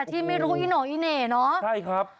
ที่ไม่รู้อีโน่อีเหน่เนอะใช่ครับ